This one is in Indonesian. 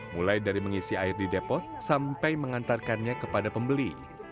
mulai dari mengisi air di depot sampai mengantarkannya kepada pembeli